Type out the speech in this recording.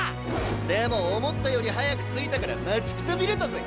でも思ったより早く着いたから待ちくたびれたぜ！